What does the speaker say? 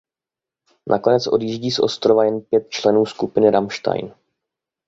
Nakonec odjíždí z ostrova jen pět členů skupiny Rammstein.